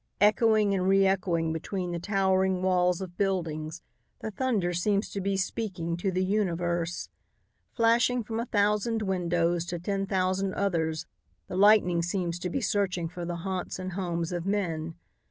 Echoing and re echoing between the towering walls of buildings, the thunder seems to be speaking to the universe. Flashing from a thousand windows to ten thousand others, the lightning seems to be searching the haunts and homes of men.